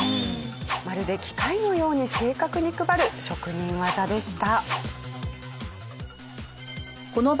まるで機械のように正確に配る職人技でした。